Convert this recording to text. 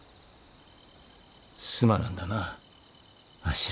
すまなんだなあ。